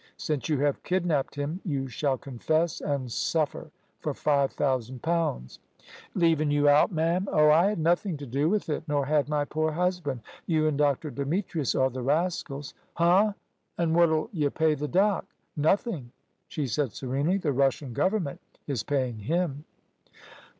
Since you have kidnapped him, you shall confess and suffer for five thousand pounds." "Leavin' you out, ma'am?" "Oh, I had nothing to do with it, nor had my poor husband. You and Dr. Demetrius are the rascals." "Huh! An' what'll y' pay the Doc.?" "Nothing," she said serenely: "the Russian Government is paying him."